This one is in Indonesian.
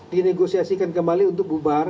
dinegosiasikan kembali untuk bubar